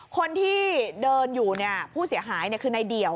คนที่เดินอยู่ผู้เสียหายคือในเดี่ยว